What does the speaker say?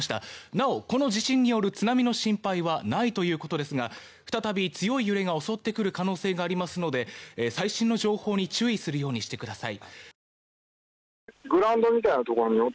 なおこの地震による津波の心配はないということですが再び強い揺れが襲ってくる可能性がありますので最新の情報に注意するようにしてください。